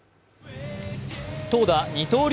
投打二刀流